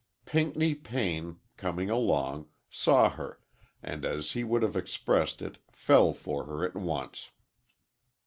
Pinckney Payne, coming along, saw her, and, as he would have expressed it, fell for her at once.